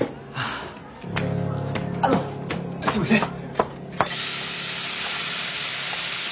あのすいません。